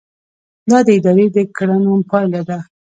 دا د ادارې د کړنو پایله ده.